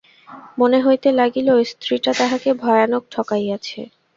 মনে হইতে লাগিল, স্ত্রীটা তাহাকে ভয়ানক ঠকাইয়াছে।